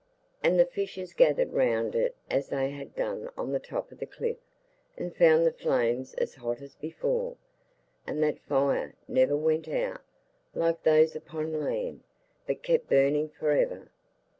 And the fishes gathered round it as they had done on the top of the cliff, and found the flames as hot as before, and that fire never went out, like those upon land, but kept burning for ever.